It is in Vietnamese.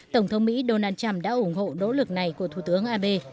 tổng thống mỹ donald trump đã ủng hộ nỗ lực này của thủ tướng abe